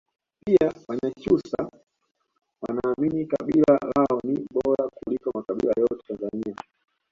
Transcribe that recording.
pia wanyakyusa Wanaamini kabila lao ni bora kuliko makabila yote Tanzania